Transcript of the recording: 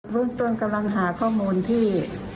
เรื่องต้นกำลังหาข้อมูลที่